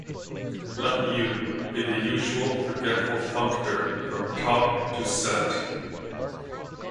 Let "U" be the usual forgetful functor from Top to Set.